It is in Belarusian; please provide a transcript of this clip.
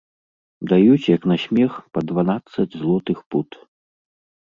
Даюць, як на смех, па дванаццаць злотых пуд.